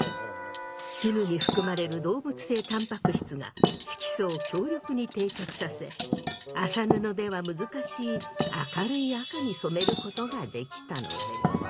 絹に含まれる動物性たんぱく質が色素を強力に定着させ麻布では難しい明るい赤に染めることができたのです。